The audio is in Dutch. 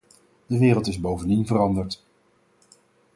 De wereld is bovendien veranderd.